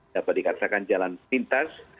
dapat dikatakan jalan pintas